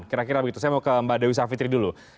saya mau ke mbak dewisa fitri dulu